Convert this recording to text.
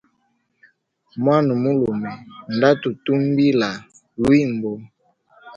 Mwana mulume nda tutumbila lwibo.